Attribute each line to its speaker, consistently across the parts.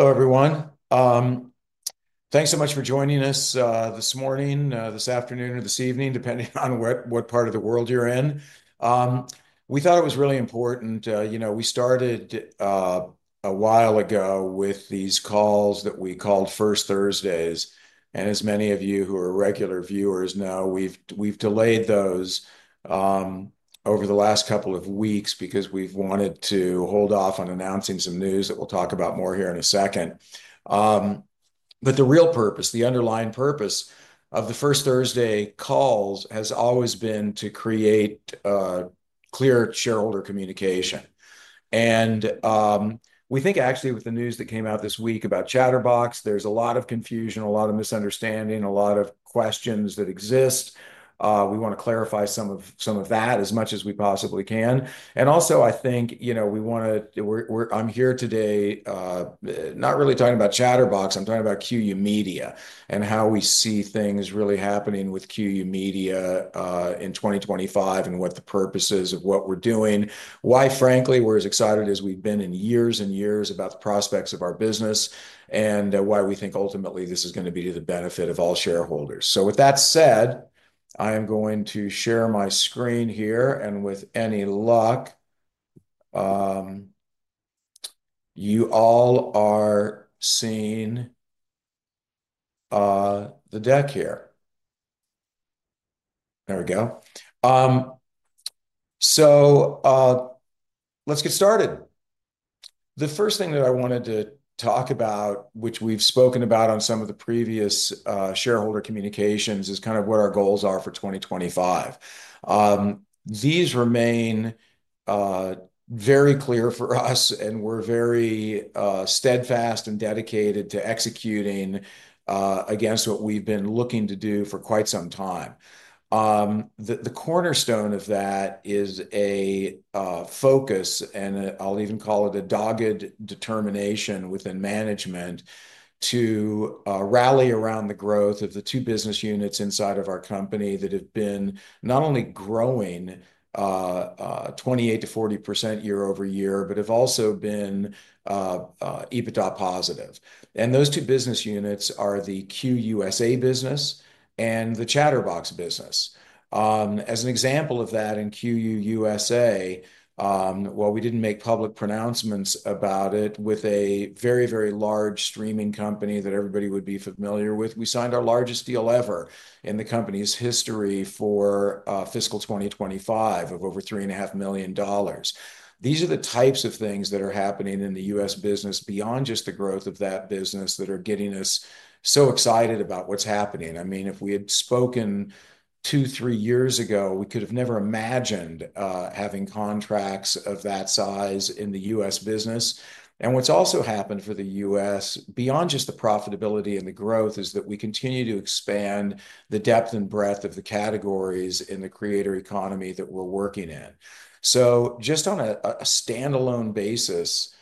Speaker 1: Hello, everyone. Thanks so much for joining us this morning, this afternoon, or this evening, depending on what part of the world you're in. We thought it was really important. You know, we started a while ago with these calls that we called First Thursdays. As many of you who are regular viewers know, we've delayed those over the last couple of weeks because we've wanted to hold off on announcing some news that we'll talk about more here in a second. The real purpose, the underlying purpose of the First Thursday calls has always been to create clear shareholder communication. We think actually with the news that came out this week about Chtrbox, there's a lot of confusion, a lot of misunderstanding, a lot of questions that exist. We want to clarify some of that as much as we possibly can. Also, I think, you know, we want to—we're—I'm here today, not really talking about Chtrbox. I'm talking about QYOU Media and how we see things really happening with QYOU Media, in 2025 and what the purpose is of what we're doing, why, frankly, we're as excited as we've been in years and years about the prospects of our business, and why we think ultimately this is going to be to the benefit of all shareholders. With that said, I am going to share my screen here. With any luck, you all are seeing the deck here. There we go. Let's get started. The first thing that I wanted to talk about, which we've spoken about on some of the previous shareholder communications, is kind of what our goals are for 2025. These remain very clear for us, and we're very steadfast and dedicated to executing against what we've been looking to do for quite some time. The cornerstone of that is a focus, and I'll even call it a dogged determination within management to rally around the growth of the two business units inside of our company that have been not only growing 28%-40% YoY, but have also been EBITDA positive. And those two business units are the QYOU USA business and the Chtrbox business. As an example of that in QYOU USA, we didn't make public pronouncements about it with a very, very large streaming company that everybody would be familiar with. We signed our largest deal ever in the company's history for fiscal 2025 of over $3.5 million. These are the types of things that are happening in the U.S. Business beyond just the growth of that business that are getting us so excited about what's happening. I mean, if we had spoken two, three years ago, we could have never imagined having contracts of that size in the U.S. business. What's also happened for the U.S., beyond just the profitability and the growth, is that we continue to expand the depth and breadth of the categories in the creator economy that we're working in. Just on a standalone basis,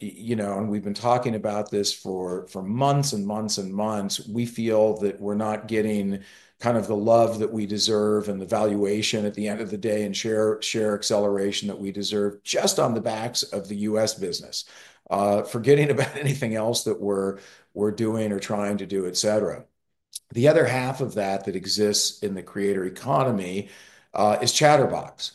Speaker 1: you know, and we've been talking about this for months and months and months, we feel that we're not getting kind of the love that we deserve and the valuation at the end of the day and share share acceleration that we deserve just on the backs of the U.S. business, forgetting about anything else that we're doing or trying to do, et cetera. The other half of that that exists in the creator economy is Chtrbox.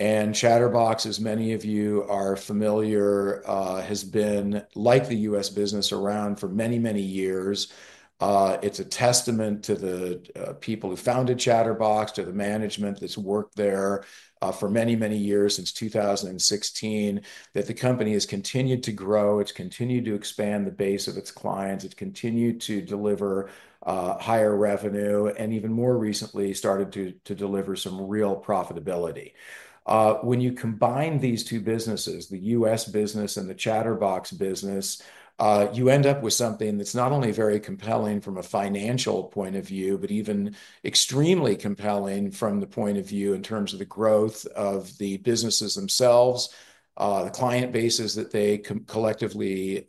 Speaker 1: And Chtrbox, as many of you are familiar, has been like the U.S. business around for many, many years. It's a testament to the people who founded Chtrbox, to the management that's worked there for many, many years, since 2016, that the company has continued to grow. It's continued to expand the base of its clients. It's continued to deliver higher revenue and, even more recently, started to deliver some real profitability. When you combine these two businesses, the U.S. business and the Chtrbox business, you end up with something that's not only very compelling from a financial point of view, but even extremely compelling from the point of view in terms of the growth of the businesses themselves, the client bases that they collectively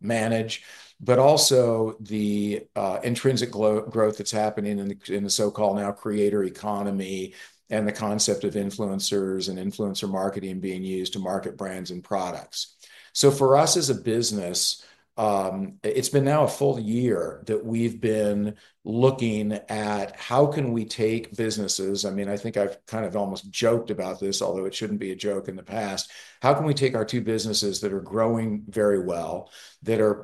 Speaker 1: manage, but also the intrinsic growth that's happening in the so-called now creator economy and the concept of influencers and influencer marketing being used to market brands and products. For us as a business, it's been now a full year that we've been looking at how can we take businesses—I mean, I think I've kind of almost joked about this, although it shouldn't be a joke in the past—how can we take our two businesses that are growing very well, that are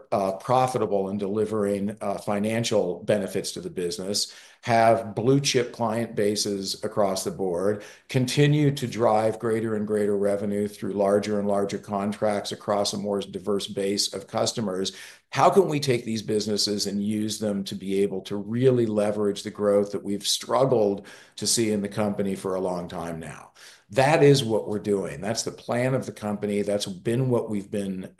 Speaker 1: profitable and delivering financial benefits to the business, have blue-chip client bases across the board, continue to drive greater and greater revenue through larger and larger contracts across a more diverse base of customers? How can we take these businesses and use them to be able to really leverage the growth that we've struggled to see in the company for a long time now? That is what we're doing. That's the plan of the company. That's been what we've been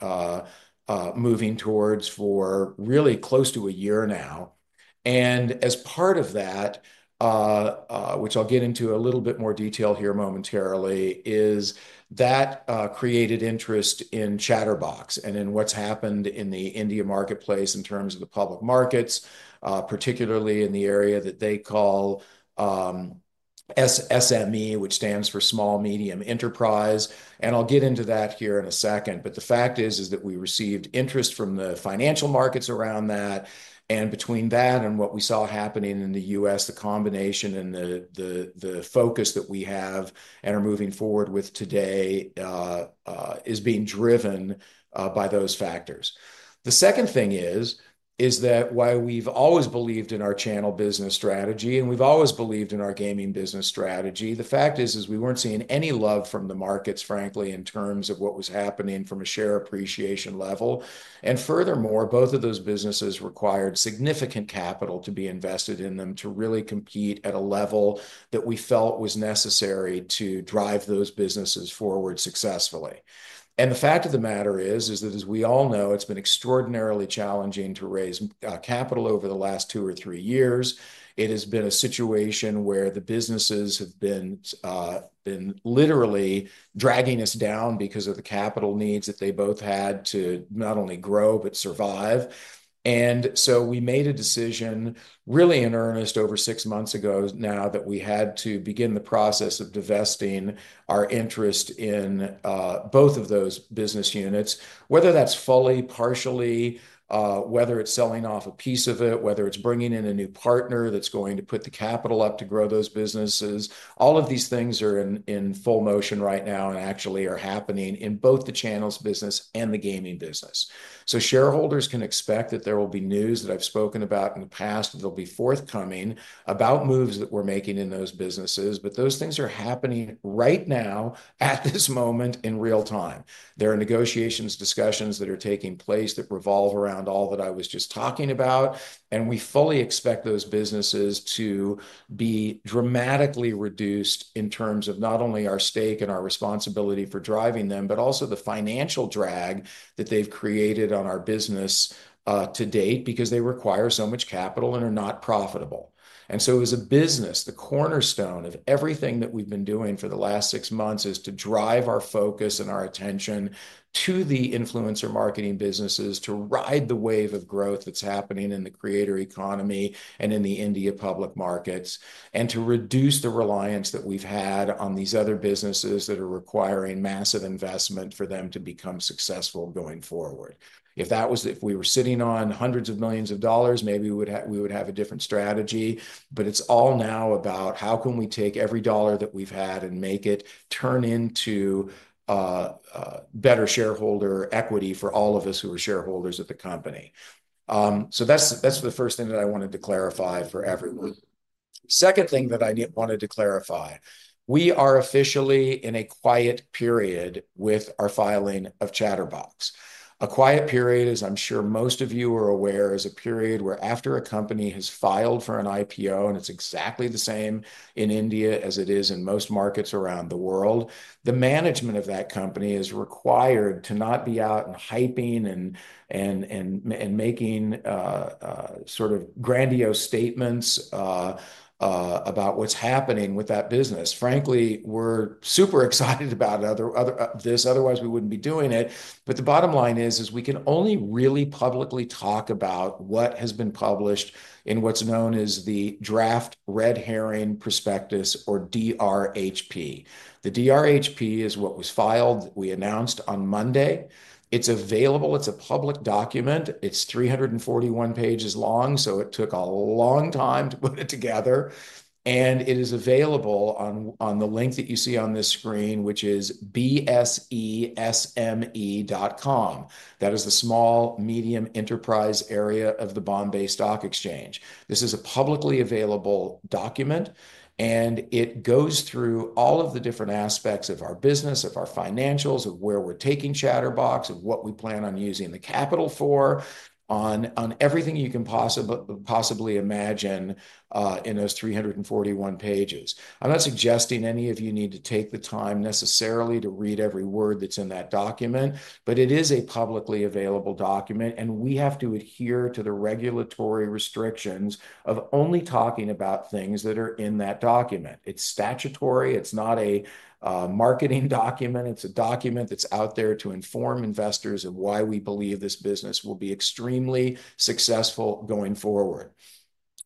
Speaker 1: moving towards for really close to a year now. As part of that, which I'll get into a little bit more detail here momentarily, that created interest in Chtrbox and in what's happened in the India marketplace in terms of the public markets, particularly in the area that they call SME, which stands for Small Medium Enterprise. I'll get into that here in a second. The fact is that we received interest from the financial markets around that. Between that and what we saw happening in the U.S., the combination and the focus that we have and are moving forward with today is being driven by those factors. The second thing is that while we've always believed in our channel business strategy and we've always believed in our gaming business strategy, the fact is we weren't seeing any love from the markets, frankly, in terms of what was happening from a share appreciation level. Furthermore, both of those businesses required significant capital to be invested in them to really compete at a level that we felt was necessary to drive those businesses forward successfully. The fact of the matter is that, as we all know, it's been extraordinarily challenging to raise capital over the last two or three years. It has been a situation where the businesses have been literally dragging us down because of the capital needs that they both had to not only grow, but survive. We made a decision really in earnest over six months ago now that we had to begin the process of divesting our interest in both of those business units, whether that's fully, partially, whether it's selling off a piece of it, whether it's bringing in a new partner that's going to put the capital up to grow those businesses. All of these things are in full motion right now and actually are happening in both the channels business and the gaming business. Shareholders can expect that there will be news that I've spoken about in the past that will be forthcoming about moves that we're making in those businesses. Those things are happening right now at this moment in real time. There are negotiations, discussions that are taking place that revolve around all that I was just talking about. We fully expect those businesses to be dramatically reduced in terms of not only our stake and our responsibility for driving them, but also the financial drag that they've created on our business to date because they require so much capital and are not profitable. As a business, the cornerstone of everything that we've been doing for the last six months is to drive our focus and our attention to the influencer marketing businesses, to ride the wave of growth that's happening in the creator economy and in the India public markets, and to reduce the reliance that we've had on these other businesses that are requiring massive investment for them to become successful going forward. If we were sitting on hundreds of millions of dollars, maybe we would have a different strategy. It's all now about how can we take every dollar that we've had and make it turn into better shareholder equity for all of us who are shareholders of the company. That's the first thing that I wanted to clarify for everyone. The second thing that I wanted to clarify, we are officially in a quiet period with our filing of Chtrbox. A quiet period, as I'm sure most of you are aware, is a period where after a company has filed for an IPO, and it's exactly the same in India as it is in most markets around the world, the management of that company is required to not be out and hyping and making, sort of grandiose statements, about what's happening with that business. Frankly, we're super excited about this. Otherwise, we wouldn't be doing it. The bottom line is, we can only really publicly talk about what has been published in what's known as the Draft Red Herring Prospectus, or DRHP. The DRHP is what was filed that we announced on Monday. It's available. It's a public document. It's 341 pages long. It took a long time to put it together. It is available on the link that you see on this screen, which is bsesme.com. That is the Small Medium Enterprise area of the Bombay Stock Exchange. This is a publicly available document, and it goes through all of the different aspects of our business, of our financials, of where we're taking Chtrbox, of what we plan on using the capital for, on everything you can possibly imagine, in those 341 pages. I'm not suggesting any of you need to take the time necessarily to read every word that's in that document, but it is a publicly available document, and we have to adhere to the regulatory restrictions of only talking about things that are in that document. It's statutory. It's not a marketing document. It's a document that's out there to inform investors of why we believe this business will be extremely successful going forward.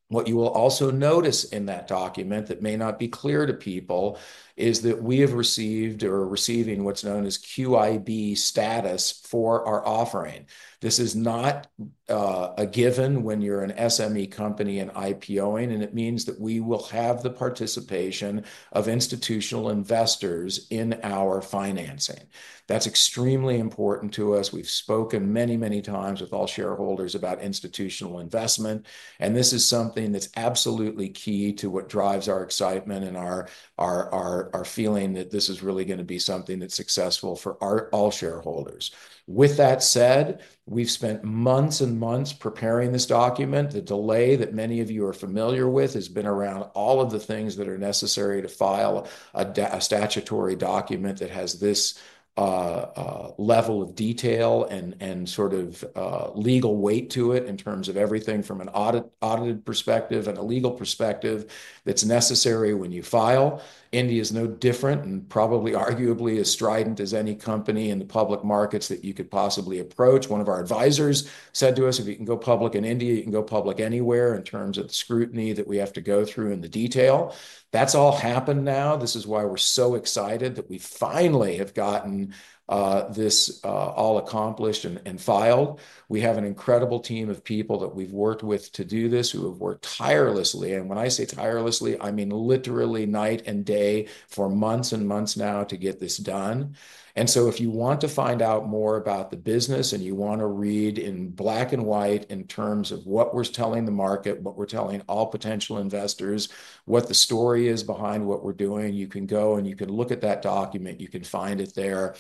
Speaker 1: What you will also notice in that document that may not be clear to people is that we have received or are receiving what's known as QIB status for our offering. This is not a given when you're an SME company and IPOing, and it means that we will have the participation of institutional investors in our financing. That's extremely important to us. We've spoken many, many times with all shareholders about institutional investment, and this is something that's absolutely key to what drives our excitement and our feeling that this is really going to be something that's successful for all our shareholders. With that said, we've spent months and months preparing this document. The delay that many of you are familiar with has been around all of the things that are necessary to file a statutory document that has this level of detail and sort of legal weight to it in terms of everything from an audited perspective and a legal perspective that's necessary when you file. India is no different and probably arguably as strident as any company in the public markets that you could possibly approach. One of our advisors said to us, "If you can go public in India, you can go public anywhere in terms of the scrutiny that we have to go through in the detail." That has all happened now. This is why we're so excited that we finally have gotten this all accomplished and filed. We have an incredible team of people that we've worked with to do this who have worked tirelessly. When I say tirelessly, I mean literally night and day for months and months now to get this done. If you want to find out more about the business and you want to read in black and white in terms of what we're telling the market, what we're telling all potential investors, what the story is behind what we're doing, you can go and you can look at that document. You can find it there.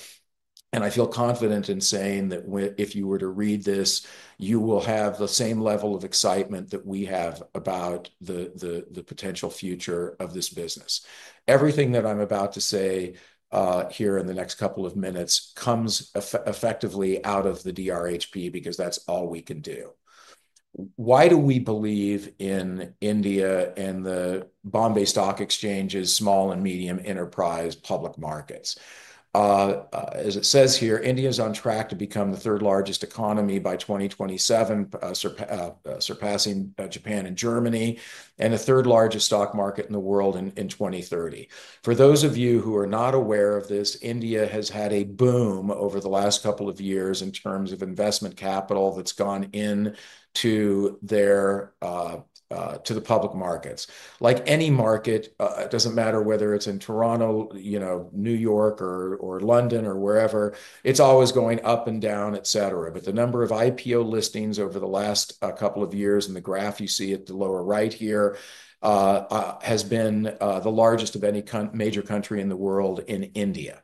Speaker 1: I feel confident in saying that if you were to read this, you will have the same level of excitement that we have about the potential future of this business. Everything that I'm about to say here in the next couple of minutes comes effectively out of the DRHP because that's all we can do. Why do we believe in India and the Bombay Stock Exchange's Small and Medium Enterprise public markets? As it says here, India is on track to become the third largest economy by 2027, surpassing Japan and Germany, and the third largest stock market in the world in 2030. For those of you who are not aware of this, India has had a boom over the last couple of years in terms of investment capital that's gone into their, to the public markets. Like any market, it doesn't matter whether it's in Toronto, you know, New York or London or wherever, it's always going up and down, et cetera. The number of IPO listings over the last couple of years, and the graph you see at the lower right here, has been the largest of any major country in the world in India.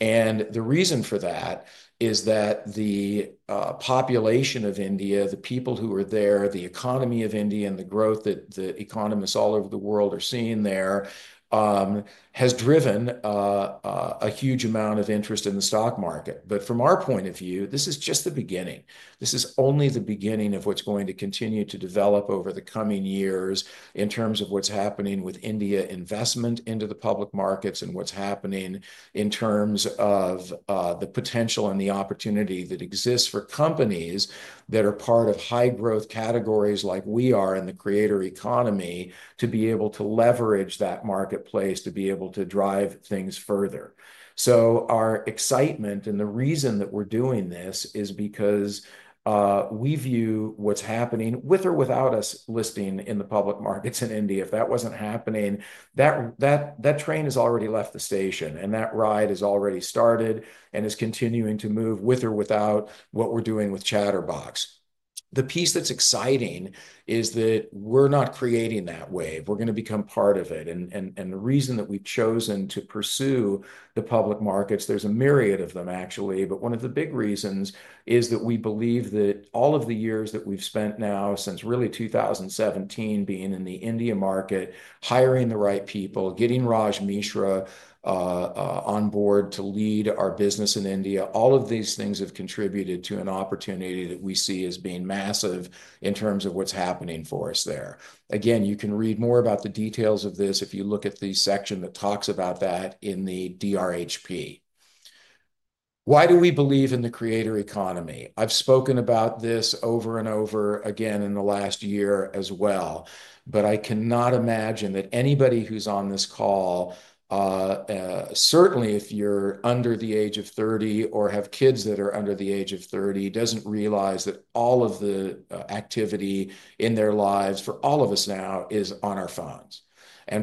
Speaker 1: The reason for that is that the population of India, the people who are there, the economy of India, and the growth that the economists all over the world are seeing there, has driven a huge amount of interest in the stock market. From our point of view, this is just the beginning. This is only the beginning of what's going to continue to develop over the coming years in terms of what's happening with India investment into the public markets and what's happening in terms of the potential and the opportunity that exists for companies that are part of high growth categories like we are in the creator economy to be able to leverage that marketplace to be able to drive things further. Our excitement and the reason that we're doing this is because we view what's happening with or without us listing in the public markets in India. If that wasn't happening, that train has already left the station and that ride has already started and is continuing to move with or without what we're doing with Chtrbox. The piece that's exciting is that we're not creating that wave. We're going to become part of it. The reason that we've chosen to pursue the public markets, there's a myriad of them, actually. One of the big reasons is that we believe that all of the years that we've spent now since really 2017 being in the India market, hiring the right people, getting Raj Mishra on board to lead our business in India, all of these things have contributed to an opportunity that we see as being massive in terms of what's happening for us there. Again, you can read more about the details of this if you look at the section that talks about that in the DRHP. Why do we believe in the creator economy? I've spoken about this over and over again in the last year as well, but I cannot imagine that anybody who's on this call, certainly if you're under the age of 30 or have kids that are under the age of 30, doesn't realize that all of the activity in their lives for all of us now is on our phones.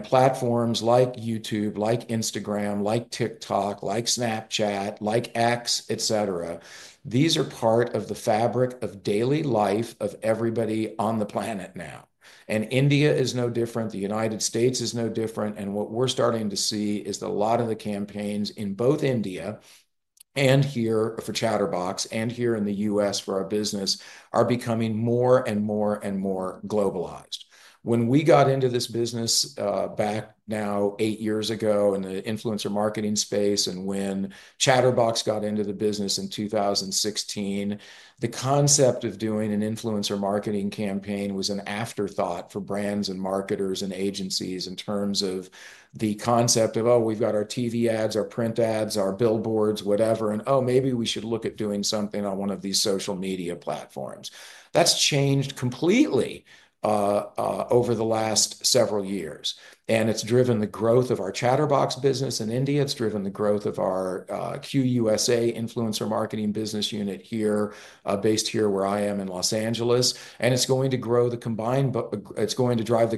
Speaker 1: Platforms like YouTube, like Instagram, like TikTok, like Snapchat, like X, et cetera, these are part of the fabric of daily life of everybody on the planet now. India is no different. The United States is no different. What we're starting to see is that a lot of the campaigns in both India and here for Chtrbox and here in the U.S. for our business are becoming more and more and more globalized. When we got into this business, back now eight years ago in the influencer marketing space and when Chtrbox got into the business in 2016, the concept of doing an influencer marketing campaign was an afterthought for brands and marketers and agencies in terms of the concept of, oh, we've got our TV ads, our print ads, our billboards, whatever, and, oh, maybe we should look at doing something on one of these social media platforms. That has changed completely, over the last several years. It has driven the growth of our Chtrbox business in India. It has driven the growth of our QYOU USA influencer marketing business unit here, based here where I am in Los Angeles. It is going to drive the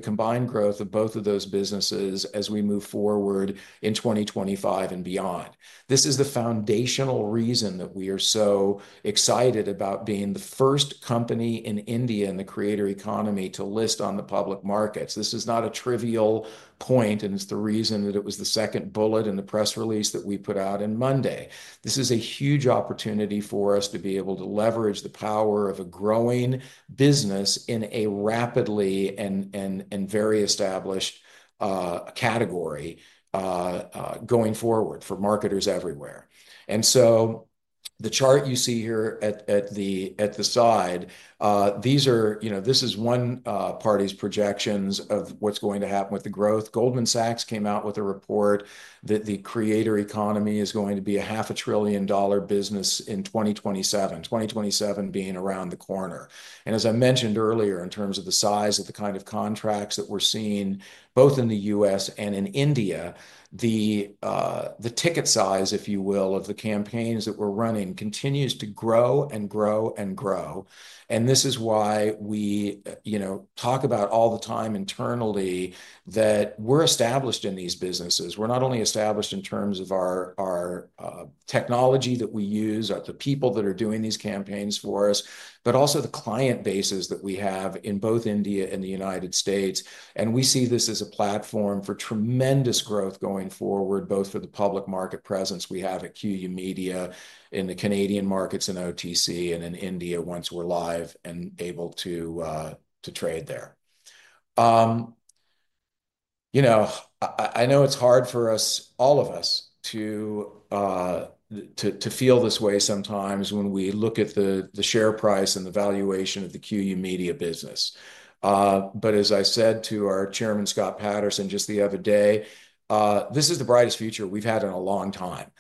Speaker 1: combined growth of both of those businesses as we move forward in 2025 and beyond. This is the foundational reason that we are so excited about being the first company in India in the creator economy to list on the public markets. This is not a trivial point, and it's the reason that it was the second bullet in the press release that we put out on Monday. This is a huge opportunity for us to be able to leverage the power of a growing business in a rapidly and very established, category, going forward for marketers everywhere. The chart you see here at the side, these are, you know, this is one party's projections of what's going to happen with the growth. Goldman Sachs came out with a report that the creator economy is going to be a half a trillion dollar business in 2027, 2027 being around the corner. As I mentioned earlier, in terms of the size of the kind of contracts that we're seeing both in the US and in India, the ticket size, if you will, of the campaigns that we're running continues to grow and grow and grow. This is why we, you know, talk about all the time internally that we're established in these businesses. We're not only established in terms of our technology that we use, the people that are doing these campaigns for us, but also the client bases that we have in both India and the United States. We see this as a platform for tremendous growth going forward, both for the public market presence we have at QYOU Media in the Canadian markets in OTC and in India once we're live and able to trade there. You know, I know it's hard for us, all of us, to feel this way sometimes when we look at the share price and the valuation of the QYOU Media business. As I said to our Chairman, Scott Patterson, just the other day, this is the brightest future we've had in a long time,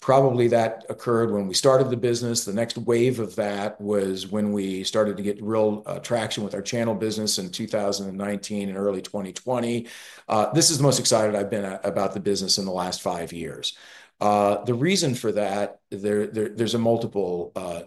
Speaker 1: probably that occurred when we started the business. The next wave of that was when we started to get real traction with our channel business in 2019 and early 2020. This is the most excited I've been about the business in the last five years. The reason for that, there's a multiple,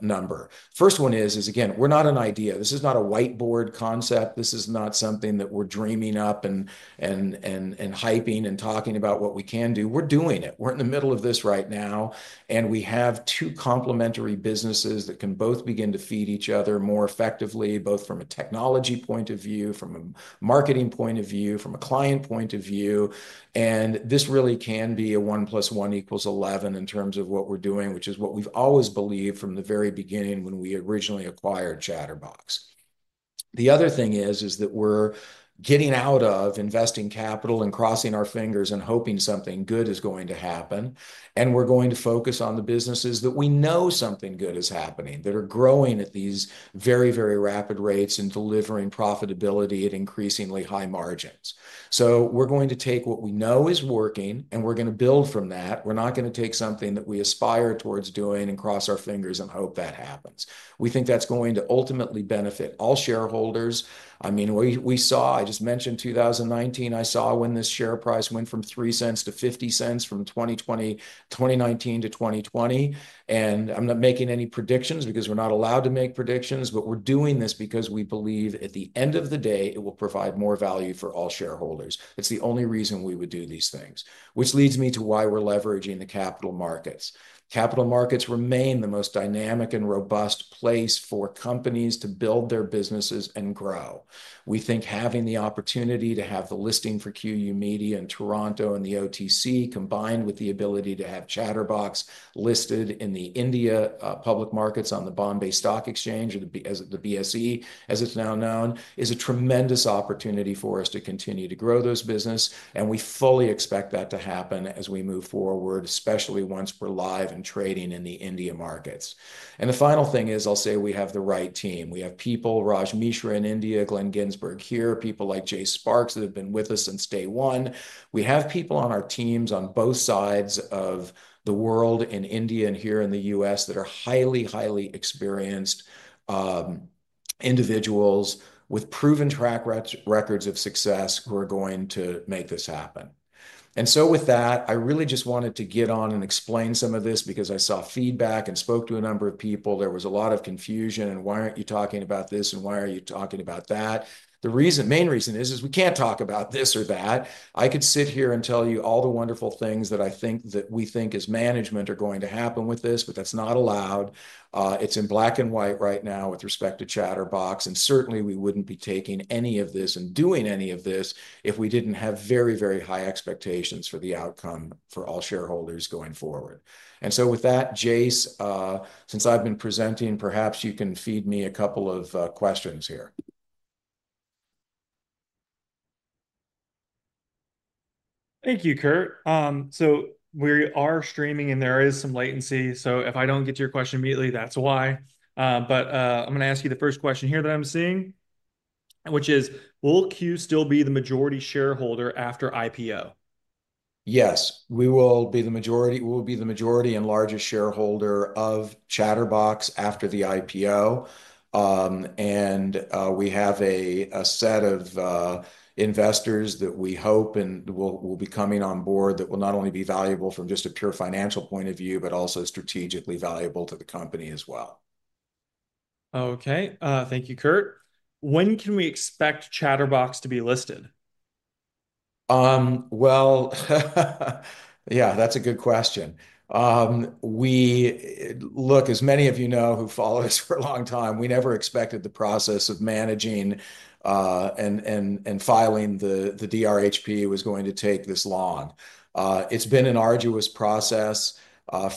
Speaker 1: number. First one is, again, we're not an idea. This is not a whiteboard concept. This is not something that we're dreaming up and hyping and talking about what we can do. We're doing it. We're in the middle of this right now. We have two complementary businesses that can both begin to feed each other more effectively, both from a technology point of view, from a marketing point of view, from a client point of view. This really can be a one plus one equals 11 in terms of what we're doing, which is what we've always believed from the very beginning when we originally acquired Chtrbox. The other thing is that we're getting out of investing capital and crossing our fingers and hoping something good is going to happen. We're going to focus on the businesses that we know something good is happening, that are growing at these very, very rapid rates and delivering profitability at increasingly high margins. We're going to take what we know is working and we're going to build from that. We're not going to take something that we aspire towards doing and cross our fingers and hope that happens. We think that's going to ultimately benefit all shareholders. I mean, we saw, I just mentioned 2019, I saw when this share price went from 3 cents to 50 cents from 2019 to 2020. I'm not making any predictions because we're not allowed to make predictions, but we're doing this because we believe at the end of the day, it will provide more value for all shareholders. It's the only reason we would do these things, which leads me to why we're leveraging the capital markets. Capital markets remain the most dynamic and robust place for companies to build their businesses and grow. We think having the opportunity to have the listing for QYOU Media in Toronto and the OTC combined with the ability to have Chtrbox listed in the India public markets on the Bombay Stock Exchange or the BSE, as it's now known, is a tremendous opportunity for us to continue to grow those businesses. We fully expect that to happen as we move forward, especially once we're live and trading in the India markets. The final thing is, I'll say we have the right team. We have people, Raj Mishra in India, Glenn Ginsburg here, people like Jace Sparks that have been with us since day one. We have people on our teams on both sides of the world in India and here in the U.S. that are highly, highly experienced individuals with proven track records of success who are going to make this happen. With that, I really just wanted to get on and explain some of this because I saw feedback and spoke to a number of people. There was a lot of confusion and why aren't you talking about this and why aren't you talking about that? The reason, main reason is, is we can't talk about this or that. I could sit here and tell you all the wonderful things that I think that we think as management are going to happen with this, but that's not allowed. It's in black and white right now with respect to Chtrbox. Certainly we wouldn't be taking any of this and doing any of this if we didn't have very, very high expectations for the outcome for all shareholders going forward. With that, Jace, since I've been presenting, perhaps you can feed me a couple of questions here.
Speaker 2: Thank you, Curt. We are streaming and there is some latency. If I do not get to your question immediately, that is why. I am going to ask you the first question here that I am seeing, which is, will QYOU still be the majority shareholder after IPO?
Speaker 1: Yes, we will be the majority, we will be the majority and largest shareholder of Chtrbox after the IPO. We have a set of investors that we hope and will be coming on board that will not only be valuable from just a pure financial point of view, but also strategically valuable to the company as well.
Speaker 2: Thank you, Curt. When can we expect Chtrbox to be listed?
Speaker 1: That is a good question. We look, as many of you know who follow us for a long time, we never expected the process of managing and filing the DRHP was going to take this long. It's been an arduous process.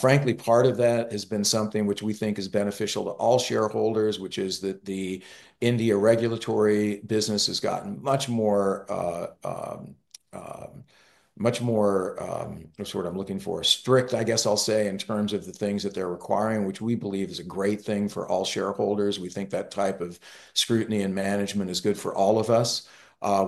Speaker 1: Frankly, part of that has been something which we think is beneficial to all shareholders, which is that the India regulatory business has gotten much more, much more, sort of, I'm looking for a strict, I guess I'll say, in terms of the things that they're requiring, which we believe is a great thing for all shareholders. We think that type of scrutiny and management is good for all of us.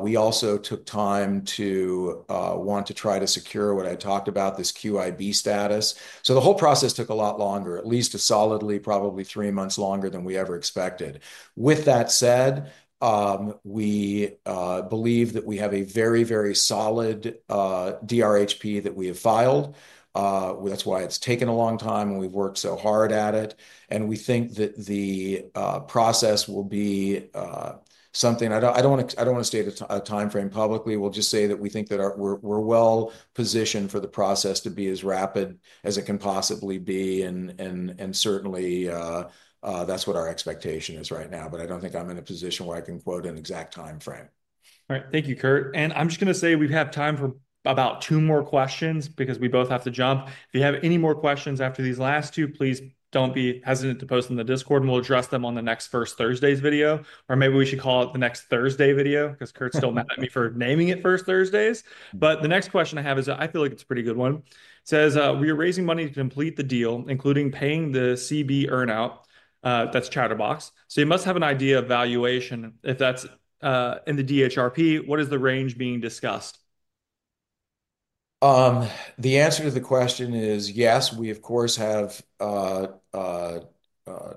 Speaker 1: We also took time to want to try to secure what I talked about, this QIB status. The whole process took a lot longer, at least a solidly, probably three months longer than we ever expected. With that said, we believe that we have a very, very solid DRHP that we have filed. That is why it has taken a long time and we have worked so hard at it. We think that the process will be something, I do not want to state a timeframe publicly. We will just say that we think that we are well positioned for the process to be as rapid as it can possibly be. Certainly, that is what our expectation is right now. I do not think I am in a position where I can quote an exact timeframe.
Speaker 2: All right. Thank you, Curt. I am just going to say we have time for about two more questions because we both have to jump. If you have any more questions after these last two, please do not be hesitant to post them in the Discord and we will address them on the next First Thursday's video. Maybe we should call it the next Thursday video because Curt's still mad at me for naming it First Thursdays. The next question I have is, I feel like it is a pretty good one. It says, we are raising money to complete the deal, including paying the CB earnout. That is Chtrbox. So you must have an idea of valuation. If that is in the DRHP, what is the range being discussed?
Speaker 1: The answer to the question is yes, we of course have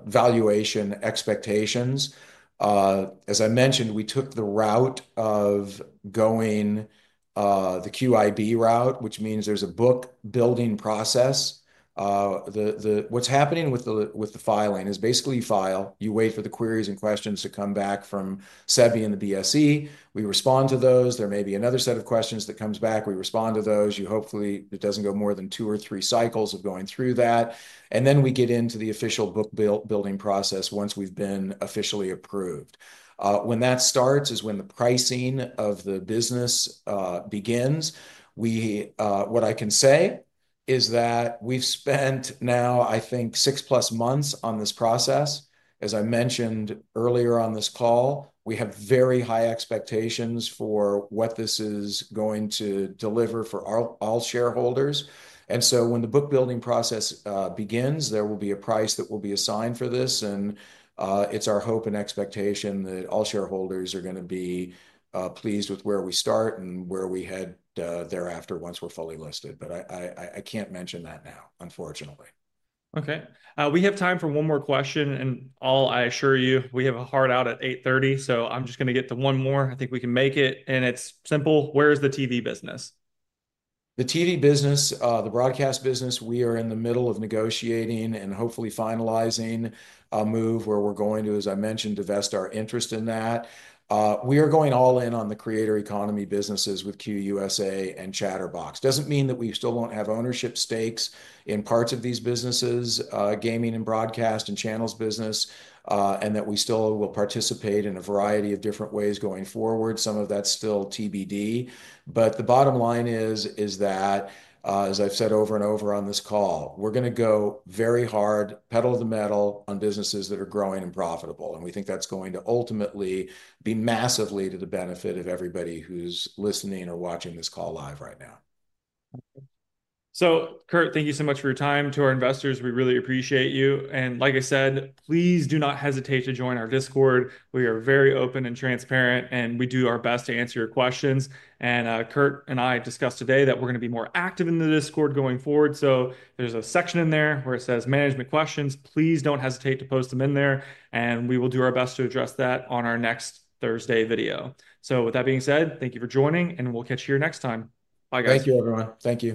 Speaker 1: valuation expectations. As I mentioned, we took the route of going the QIB route, which means there is a book building process. What's happening with the filing is basically you file, you wait for the queries and questions to come back from SEBI and the BSE. We respond to those. There may be another set of questions that comes back. We respond to those. Hopefully it doesn't go more than two or three cycles of going through that. Then we get into the official book building process once we've been officially approved. When that starts is when the pricing of the business begins. What I can say is that we've spent now, I think, six plus months on this process. As I mentioned earlier on this call, we have very high expectations for what this is going to deliver for all shareholders. When the book building process begins, there will be a price that will be assigned for this. It is our hope and expectation that all shareholders are going to be pleased with where we start and where we head thereafter once we are fully listed. I cannot mention that now, unfortunately.
Speaker 2: We have time for one more question. I assure you, we have a hard out at 8:30. I am just going to get to one more. I think we can make it. It is simple. Where is the TV business?
Speaker 1: The TV business, the broadcast business, we are in the middle of negotiating and hopefully finalizing a move where we are going to, as I mentioned, divest our interest in that. We are going all in on the creator economy businesses with QYOU USA and Chtrbox. Doesn't mean that we still won't have ownership stakes in parts of these businesses, gaming and broadcast and channels business, and that we still will participate in a variety of different ways going forward. Some of that's still TBD. The bottom line is, as I've said over and over on this call, we're going to go very hard, pedal to the metal on businesses that are growing and profitable. We think that's going to ultimately be massively to the benefit of everybody who's listening or watching this call live right now.
Speaker 2: Okay. Curt, thank you so much for your time to our investors. We really appreciate you. Like I said, please do not hesitate to join our Discord. We are very open and transparent, and we do our best to answer your questions. Curt and I discussed today that we're going to be more active in the Discord going forward. There is a section in there where it says management questions. Please don't hesitate to post them in there. We will do our best to address that on our next Thursday video. With that being said, thank you for joining, and we'll catch you here next time. Bye, guys.
Speaker 1: Thank you, everyone. Thank you.